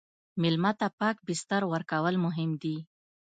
مېلمه ته پاک بستر ورکول مهم دي.